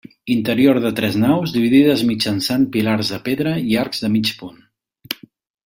Interior de tres naus, dividides mitjançant pilars de pedra i arcs de mig punt.